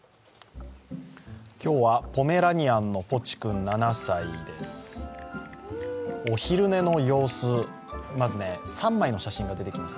今日はポメラニアンのポチくん７歳です。